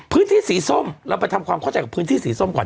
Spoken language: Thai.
พื้นที่สีส้มเราไปทำความเข้าใจกับพื้นที่สีส้มก่อน